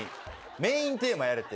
メインテーマやれって。